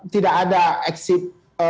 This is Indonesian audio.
tidak ada exit